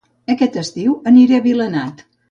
Aquest estiu aniré a Vilanant